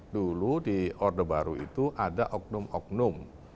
dulu di orde baru itu ada oknum oknum